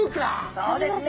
そうですね。